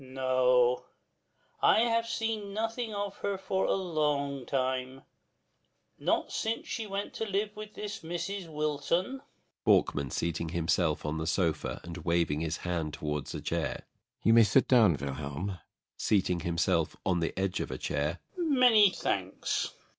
FOLDAL. No, I have seen nothing of her for a long time; not since she went to live with this Mrs. Wilton. BORKMAN. [Seating himself on the sofa and waving his hand toward a chair.] You may sit down, Vilhelm. FOLDAL. [Seating himself on the edge of a chair.] Many thanks.